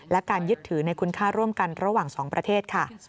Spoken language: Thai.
และการยึดถือในคุณค่าร่วมกันระหว่างสองประเทศค่ะ